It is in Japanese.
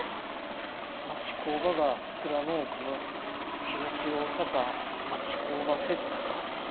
「町工場がスクラムを組む東大阪町工場フェスタ」か。